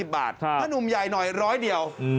ถ้านุ่มใหญ่หน่อย๑๐๐เดียว